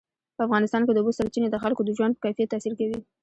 په افغانستان کې د اوبو سرچینې د خلکو د ژوند په کیفیت تاثیر کوي.